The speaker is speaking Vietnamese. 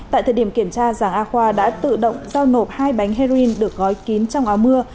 tại thời điểm kiểm tra giàng a khoa đã tự động giao nộp hai bánh heroin được gói kín trong áo mưa